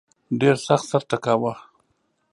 ډېر سخت سر ټکاوه.